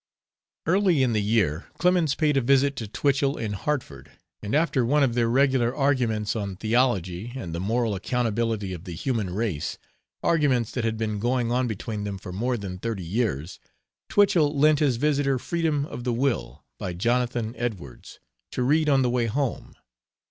Early in the year Clemens paid a visit to Twichell in Hartford, and after one of their regular arguments on theology and the moral accountability of the human race, arguments that had been going on between them for more than thirty years Twichell lent his visitor Freedom of the Will, by Jonathan Edwards, to read on the way home.